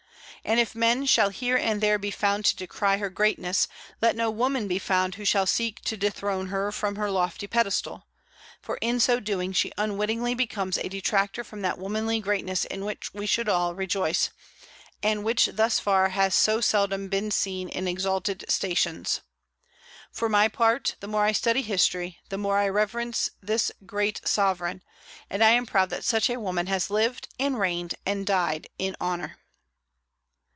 And if men shall here and there be found to decry her greatness, let no woman be found who shall seek to dethrone her from her lofty pedestal; for in so doing she unwittingly becomes a detractor from that womanly greatness in which we should all rejoice, and which thus far has so seldom been seen in exalted stations. For my part, the more I study history the more I reverence this great sovereign; and I am proud that such a woman has lived and reigned and died in honor.